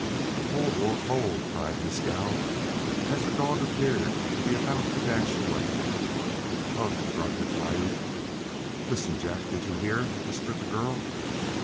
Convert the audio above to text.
"Hold, Wolf, hold!" called Mescal, as the dog appeared to be about to dash away. "Ugh!" grunted Piute. "Listen, Jack; did you hear?" whispered the girl.